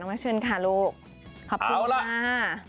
น้องนักชื่นค่ะลูกขอบคุณมาก